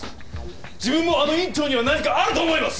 自分もあの院長には何かあると思います！